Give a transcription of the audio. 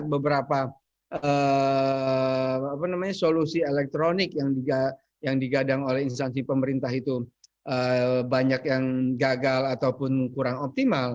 beberapa solusi elektronik yang digadang oleh instansi pemerintah itu banyak yang gagal ataupun kurang optimal